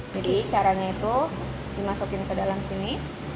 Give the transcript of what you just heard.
jadi caranya itu dimasukin ke dalam sini